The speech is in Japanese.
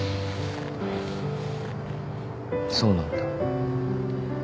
そうなんだ。